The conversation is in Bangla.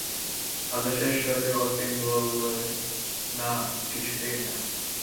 আদেশের স্বরে অতীন বললে, না, কিছুতেই না।